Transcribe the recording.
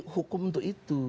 hukum untuk itu